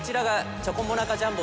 「チョコモナカジャンボ」